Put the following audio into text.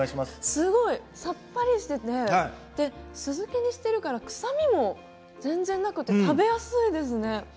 すごいさっぱりしてて酢漬けにしてるから臭みも全然なくて食べやすいですね。